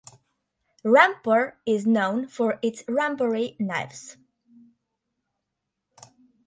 Rampur is known for its 'Rampuri knives'.